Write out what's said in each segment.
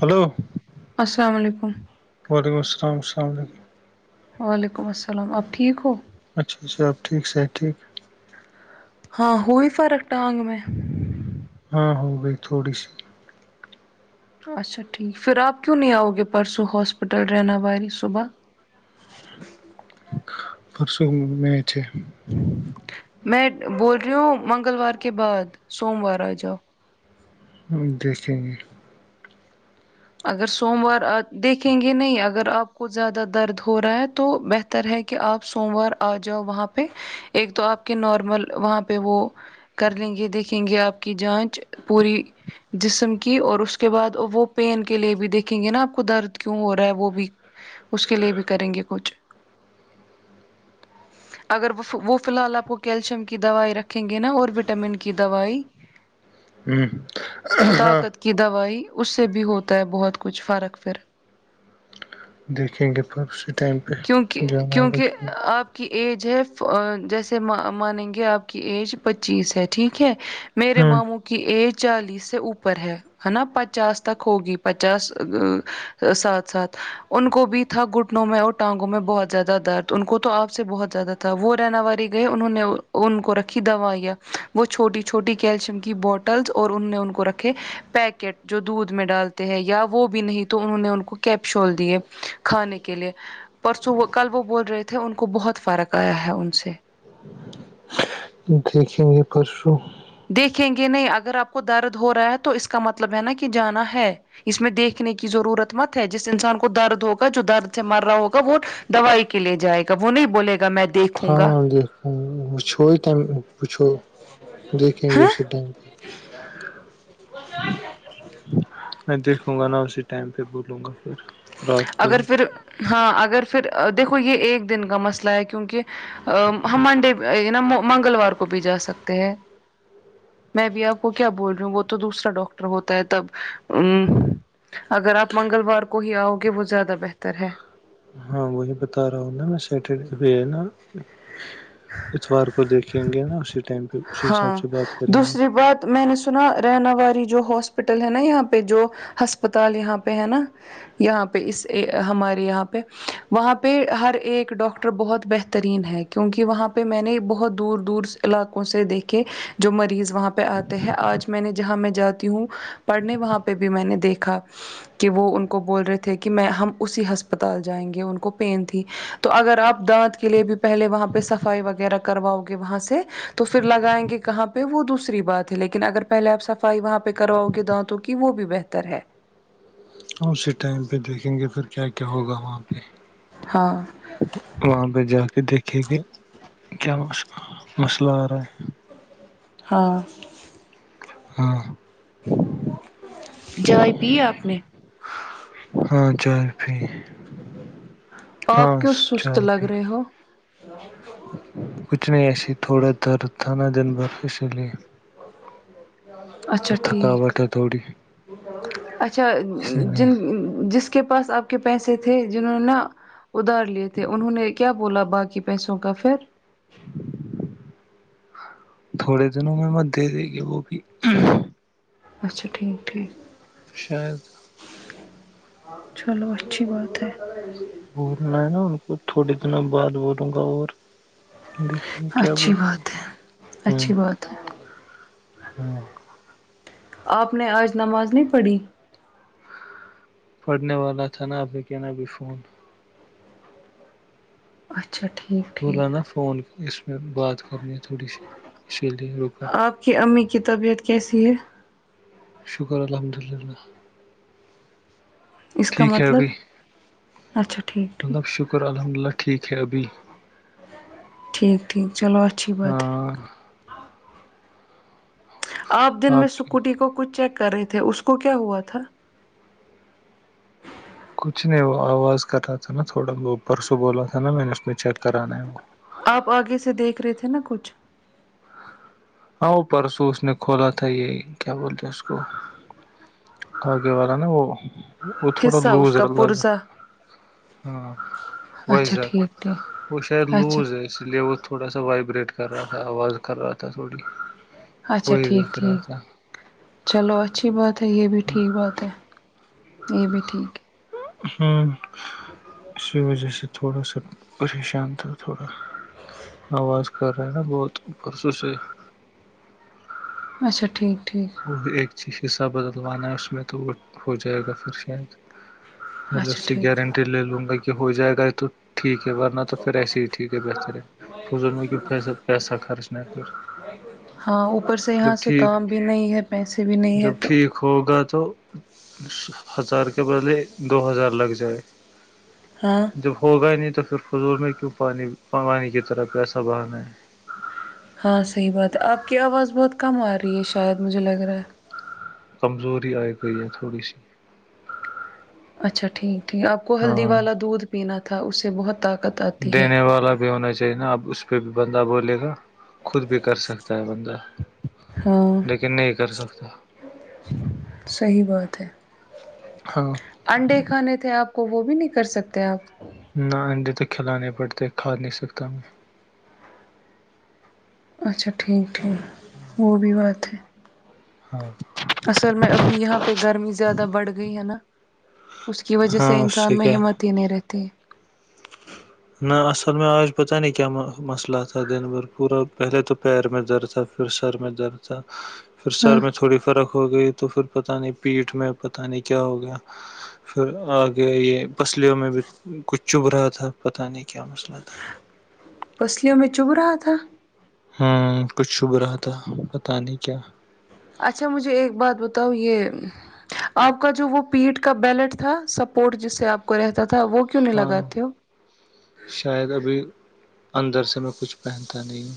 hello السلام علیکم وعلیکم السلام السلام علیکم وعلیکم السلام آپ ٹھیک ہو اچھا اچھاب ٹھیک ہے ٹھیک [unintelligible] ہاں ہوئی فرق ٹانگ میں ہاں ہو گئی تھوڑی سی اچھا ٹھیک پھر آپ کیوں نہیں آؤ گے پرسوں ہاسپٹل رہنا والاری صبح پرسوں م میں تھ [unintelligible] میں بول رہی ہوں منگلوار کے بعد سوموار آ جاؤ دیکھیں گے اگر سوموار دیکھیں گے نہیں اگر آپ کو زیادہ درد ہو رہا ہے تو بہتر ر ہے کہ آپ سوموار آ جاؤ وہاں پہ ایک تو آپ کے نارمل وہاں پہ وہ کر لیں گے دیکھیں گے آپ کی جانچ پوری جسم کی اور اس کے بعد وہ پین کے لیے بھی دیکھیں گے نا آپ کو درد کیوں ہو رہا ہے وہ بھی اس کے لیے بھی کریں گے کچھ [unintelligible] اگر وہ وہ فی الحال آپ کو کیلشیم کی دوائی رکھیں گے نا اور وٹامن کی دوائی [unintelligible] ہوں ہاں طاقت کی دوائی اس سے بھی ہوتا ہے بہت کچھ فرق پھر دیکھیں گے پر اسی ٹائم پہ کیونکہ جانا ہوا کیونکہ کی آپ کی ایج ہے جیسے مانیں گے آپ کی ایج پچیس ہے ٹھیک ہے میرے ہ ماموں کی ایج چالیس سے اوپر ہے ہے نا پچاس تک ہوگی پچاس سات سات ان کو بھی تھا گھٹنوں میں اٹ ٹانگوں میں بہت زیادہ درد ان کو توپ سے بہت زیادہ تھا وہ رنا والاریی گئے انہوں نے ان کو رکھی دوائیاں وہ چھوٹی چھوٹی کیلشیم کی بوٹلس اور ان نے ان کو رکھے پیکٹ جو دودھ میں ڈالتے ہیں یا وہ بھی نہیں تو انہوں نے ان کو کیپشول دیے کھانے کے لیے پرسوں کل وہ بول رہے تھے ان کو بہت فرق آیا ہے ان سے دیکھیں گے پرسوں دیکھیں گے نہیں اگر آپ کو درد ہو رہا ہے تو اس کا مطلب ہے نا کہ جانا ہے اس میں دیکھنے کی ضرورت مت ہے جس انسان کو درد ہوگا جو درد سے مر رہا ہوگا وہ دوائی کے لیے جائے گا وہ نہیں بولے گا میں دیکھوں گا ہاں د وہچو ہیم پچھو دیکھیں گے اسے ڈھینگ پہ میں دیکھوں گا نا اسی ٹائم پہ بولوں گا پھر رات کو اگر ہی پھر ہاں اگر پھر دیکھو یہ ایک دن کا مسئلہ ہے کیونکہ ا ہم منڈے نا منگلوار کو بھی جا سکتے ہیں میں بھیب آپ کو کیا بول رہی ہوں وہ تو دوسرا ڈاکٹر ہوتا ہے تب ا اگر آپ منگلوار کو ہی آؤ گے وہ زیادہ بہتر ہے ہاں وہی بتا رہا ہوں نا سیٹرڈے ہوئے ہے نا اتوار کو دیکھیں گے نا اسی ٹائم پہ اسی حساب ہاں سے بات کریں گے دوسری بات میں نے سنا رہنااواری جو ہاسپٹل ہے نا یہاں پہ جو ہسپتال یہاں پہ ہے نا یہاں پہ اس ہمارے یہاں پہ وہاں پہ ہر ایک ڈاکٹر بہت بہترین ہے کیونکہ وہاں پہ میں نے بہت دور دور علاقوں سے دیکھیں جو مریض وہاں پہ آتے ہیں آج میں نے جہاں میں جاتا ہوں پڑھنے وہاں پہ بھی میں نے دیکھا کہ وہ ان کو بول رہے تھے کہ میں ہم اسی ہسپتال جائیں گے ان کو پین تھی تو اگر آپ دانت کے لیے بھی پہلے وہاں پہ صفائی وغیرہ کرواؤ گے وہاں سے تو تو پھر لگائیں گے کہاں پہ وہ دوسری بات ہے لیکن اگر پہلے آپ صفائی وہاں پہ کرواؤ گے دانتوں کہ وہ بھی بہتر ہے اسی ٹائم پہ دیکھیں گے پھر کیا کیا ہوگا وہاں پہ ہاں وہاں پہ جا کے دیکھے کہ کیا مس مسئلہ آ رہا ہے ہاں ہاں جچ پیا آپنے ہاں چائے پی ہاں چائے پی ہو ہ کچھ نہیں ایسی تھوڑا درد تھا نا دن بھر اسی لیے اچھا کچھ ٹھیک تھکاوٹ ہے تھوڑی اچھا اسی لیے جن جس کے پاس آپ کے پیسے تھے جنہوں نا ادھار لیے تھے انہوں نے کیا بولا باقی پیسوں کا پھر تھوڑے دنوں میں مت دے دے گے وہ بھی اچھا ٹھیک ٹھیک شاید چلو اچچھی بول تھے بولنا ہے نا ان کو تھوڑے دنوں بعد بولوں گا اور دیکھیں گ کیا اچھی بولتی بات ہے ہ اچھی بات ہے ہاں آپ نے آج نماز نہیں پڑھی پڑھنے والا تھا نا ابھی کیا ن ابھی فون اچھا ٹھیک بوول ٹھیک نا فون اس میں بات کرنی ہے تھوڑی سی اسی لیے رکا آپ کی امی کی طبیعت کیسی ہے شکر الحمد للہ اس کا ٹھیک ہے ابھی مطلب اچھا ٹھیک ٹھیک مطلب شکر الحمد اللہ ٹھیک ہے ابھی ٹھیک ٹھیک چلو اچھ ہاں آپ دن میں اسکوٹی کو کچھ چیک کر رہے تھے اس کو کیا ہوا تھا کچھ نہیں وہ آواز کر رہا تھا نا تھوڑا ب پرسوں بولا تھا نا میں نے اس میں چیک کرانا ہے وہ آپ آگے سے دیکھ رہے تھے نا کچھ ہاں وہ پرسوں اس نے کھولا تھا یہی کیا بولتے اس کو آگے والا نا وہ وہ تھوڑا حصہ اس لوز کا الگ پرزا ہاں اچھا وائزر ٹھیک ٹھیک وہ شاید اچھا لوز ہے اس لیے وہ تھوڑا سا وائبریٹ کر رہا تھا آواز کر رہا تھا تھوڑی اچھا وہی ٹھیک دیکھ رہا ٹھیک تھا چلو اچھی بات ہے یہ بھی ٹھیک بات ہے یہ بھی ٹھیک ہے اسی وجہ س تھوڑا سا پریشان تھا تھوڑا آواز کر رہا ہے نا بہت پرسوں سے اچھا ٹھیک ٹھیک وہ ایک چیز حصہ بدلوانا ہے اس میں تو وہ ہو جائے گا پھر شاید پہلے اس اچھا سے ٹھیک ٹھیک گارنٹی لے لوں گا کہ ہو جائے گا یہ تو ٹھیک ہے ورنہ تو پھر ایسے ہی ٹھیک ہے بہتر ہے فضون میں کیی پیسا خرچ نہ کر ہاں اوپر سے یہاں سے کام بھی نہیں ہے پیسے بھی نہیں ہے جب تو ٹھیک ہوگا تو ہزار کے بدلے دو ہزار لگ جائے ہاں جب ہوگا نہیں تو پھر فضول میں کیوں پانی پانی کی طرح پیسا بہانا ہے ہاں صحیح بات ہے آپ کی آواز بہت کم آ رہی ہے شاید مجھے لگ رہا ہے کمزوری آئے گئی ہے تھوڑی سی اچھا ٹھیک ٹھیک آپ کو ہلدی ہاں والا دودھ پینا تھا اس سے بہت طاقت آتی ہے دینے والا بھی ہونا چاہیے نا اب اس پہ بھی بندہ بولے گا خود بھی کر سکتا ہے بندہ لیکن نہیں کر سکتا صحی بات ہے ہاں انڈے کا کھانے تھے آپ کو وہ بھی نہیں کر سکتے آپ نہ انڈے تو کھلانے پڑتے کھا نہیں سکتا میں اچھا ٹھیک ٹھیک وہ بھی بات ہے ہاں اصل میں ابھی یہاں پہ گرمی زیادہ بڑھ گئی ہے نا اس کی وجہ ہاں سے اس انسان میں کیا ہمت ہی نہیں رہتی نہ اصل میں آج پتاہ نہیں کیا مسئلہ تھا دن بھر پورا پہلے تو پیر میں درد تھا پھر سر میں درد تھا پھر ہاں سر میں تھوڑی فرق ہو گئی تو پھر پتاہ نہیں پیٹ میں پتا نہیں کیا ہو گیا پھر آگے یہ پسلیوں میں بھی کچھ چب رہا تھا پتہ نہیں کیا مسئلہ تھا پسلیوں میں چبھ رہا تھا ہ کچھ چھبھ رہا تھا پتاہ نہیں کیا اچھا مجھے ایک بات بتاؤ یہ آپ کا جو وہ پیٹ کا بیلٹ تھا سپورٹ جس سے آپ کو رہتا تھا وہ کیوں نہیں ہاں لگاتے ہو شاید ابھی اندر سے میں کچھ پہنتا نہیں ہوں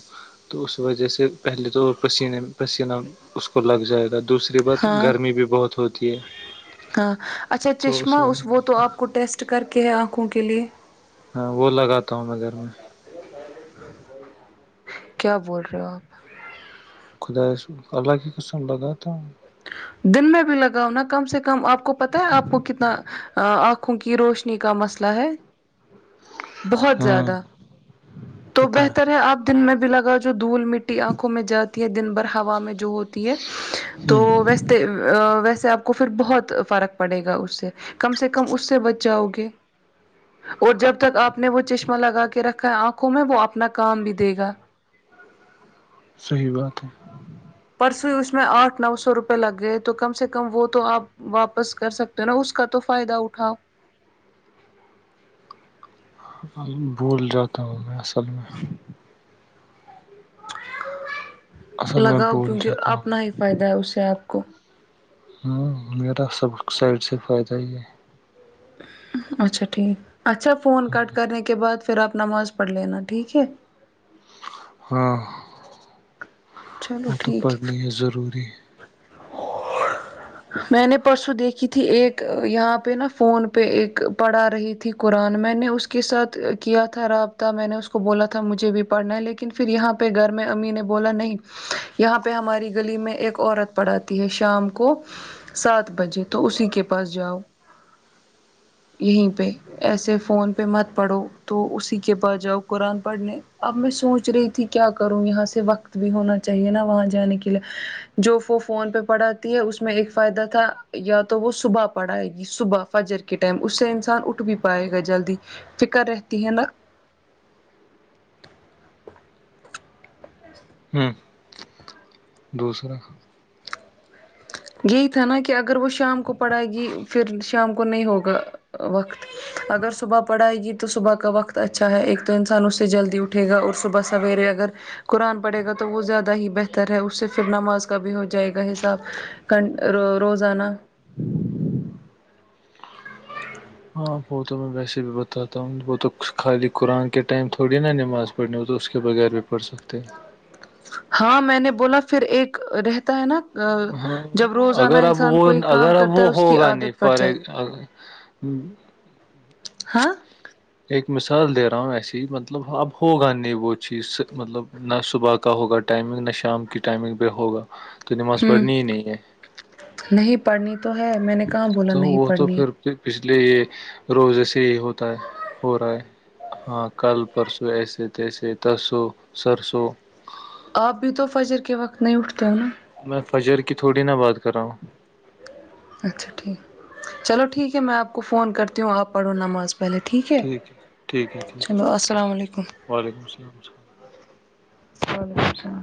تو اس وجہ سے پہلے تو پسینے پسیینہ اس کو لگ جائے گا دوسری بات ہاں گرمی بھی بہت ہوتی ہے ہاں اچھا تو چشمہ میں اس وہ تو اپ کو ٹیسٹ کر کے انکھوں کے لیے ہاں وہ لگاتا ہوں میں گھر میں کیا بول رہے ہو آپ خدا الگ ہی قسم بتاتا ہوں دن میں بھی لگاؤ نا کم سے کم آپ کو پتا ہے آپ کو کتنا آنکھوں کی روشنی کا مسئلہ ہے بہت ہاں زیادہ تو پتا بہتر ہے آپ دن میں بھی لگاؤ ج دھول مٹی آنکھوں میں جاتی ہے دن بھر ہوا میں جو ہوتی ہے تو ہ ویسے ویسے آپ کو پھر بہت فرق پڑے گا اس سے کم سے کم اس سے بچ جاؤ گے اور جب تک آپ نے وہ چشمہ لگا کے رکھا ہے آنکھوں میں وہ اپنا کام بھی دے گا صحیح بات ہے پرسو ہی اس میں آٹھ نو سو روپے لگ گئے تو کم سے کم وہ تو آپ واپس کر سکتے ہو نا اس کا تو فائدہ اٹھاؤ بھول جاتا ہوں میں اصل میں اصل میں لگاؤ بھول کیونکہ جاتا ہوں اپنا ہی فائدہ ہے اسے آپ کو ہاں میرا سب سائڈ سے فائدہ ہی ہے اچھا ٹھیک اچھا فون کٹ کرنے کے بعد پھر آپ نماز پڑھ لینا ٹھیک ہے ہاں چلو وہ تو ٹھیک پڑھنی ہے ضروری میں نے پرسوں دیکھی تھی ایک یہاں پہ نہا فون پہ ایک پڑھا رہی تھی قرآن میں نے اس کے ساتھ کیا تھا رابطہ میں نے اس کو بولا تھا مجھے بھی پڑھنا ہے لیکن پھر یہاں پہ گھر میں امی نے بولا نہیں یہاں پہ ہماری گلی میں ایک عورت پڑاتی ہے شام کو سات بجے تو اسی کے پاس جاؤ یہیں پہ ایسے فون پہ مت پڑھو تو اسی کے پاس جاؤ قرآن پڑھنے اب میں سوچ رہی تھی کیا کروں یہاں سے وقت بھی ہونا چاہیے نا وہاں جانے کے لیے جو وہ فون پہ پڑھاتی ہے اس میں ایک فائدہ تھا یا تو وہ صبح پڑھائے گی صبح فجر کے ٹائم اس سے انسان اٹھ بھی پائے گا جلدی فکر رہتی ہے نا ہوں دوسرا یہی تھا نا کہ اگر وہ شام کو پڑھائے گی پھر شام کو نہیں ہوگا وقت اگر صبح پڑھائے گی تو صبح کا وقت اچھا ہے ایک تو انسان اس سے جلدی اٹھ ٹھیک ہے اور صبح سویرے اگر قرآن پڑھے گا تو وہ زیادہ ہی بہتر ہے اس سے پھر نماز کا بھی ہو جائے گا حساب کنو روزانہ [unintelligible] ہاں وہ تو میں ویسے بھی بتاتا ہوں وہ تو خالی قرآن کے ٹائم تھوڑی نا نماز پڑھنے و تو اس کے بغیر بھی پڑھ سکتے ہیں ہاں میں نے بولا پھر ایک رہتا ہے نا ہاں جب روزانہ اگر اب انسان وہ کوئی کام اگر اب کرتا ہے وہ اس کی ہوگا نہیں عادت پڑ فار جاٹی ہا ایک مثال دے رہا ہوں ایسے ہی مطلب اب ہوگا نہیں وہ چیز مطلب نہ صبح کا ہوگا ٹائمنگ نہ شام کی ٹائمنگ پہ ہوگا تو نماز ہوں پڑھنی ہی نہیں ہے نہیں پڑھنی تو ہے میں نے کہاں بولا تو نہیں وہ تو پڑھنی ہے پھر پچھلے یہ روز سے یہی ہوتا ہے ہو رہا ہے ہاں کل پرسوں ایسے تیسے ترسو سرسوں آپ بھی تو فجر کے وقت نہیں اٹھتے ہو نا میں فجر کی تھوڑی نا بات کر رہا ہوں اچھا ٹھیک چلو ٹھیک ہے میں آپ کو فون کرتی ہوں آپ پڑھو نماز پہلے ٹھیک ہے ٹھیک ہے ٹھیک چلو ہے السلام علیکم وعلیکم السلام وعلیکم السلام